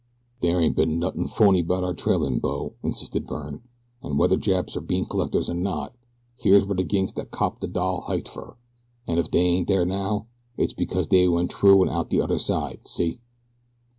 "There ain't been nothin' fony about our trailin', bo," insisted Byrne, "an' whether Japs are bean collectors or not here's where de ginks dat copped de doll hiked fer, an if dey ain't dere now it's because dey went t'rough an' out de odder side, see."